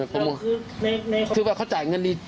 คิดว่าเขาจ่ายเงินดี